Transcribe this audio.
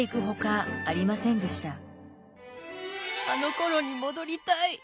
あのころに戻りたい。